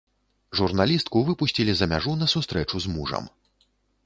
Журналістку выпусцілі за мяжу на сустрэчу з мужам.